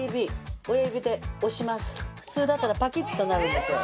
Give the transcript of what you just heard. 普通だったらパキッとなるんですよ。